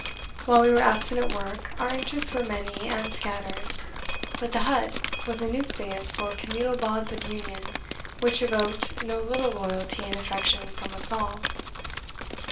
While we were absent at work, our interests were many and scattered; but the hut was a nucleus for communal bonds of union which evoked no little loyalty and affection from us all.